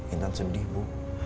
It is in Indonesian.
intan sedih bu